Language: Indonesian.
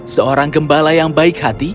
seorang gembala yang baik hati